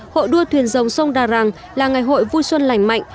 hội đua thuyền rồng sông đà rằng là ngày hội vui xuân lành mạnh